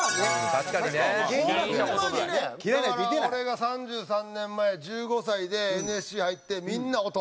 だから俺が３３年前１５歳でＮＳＣ入ってみんな大人。